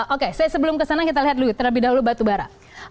oke saya sebelum kesana kita lihat dulu terlebih dahulu batubara